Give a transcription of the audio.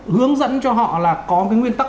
hướng dẫn cho họ là có cái nguyên tắc